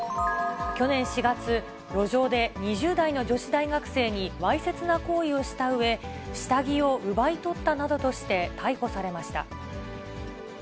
去年４月、路上で２０代の女子大学生にわいせつな行為をしたうえ、下着を奪い取ったなどとして逮捕されました。